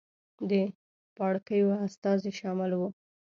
د پاړکیو استازي شامل وو.